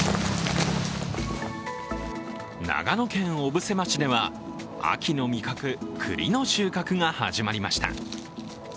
長野県小布施町では、秋の味覚くりの収穫が始まりました。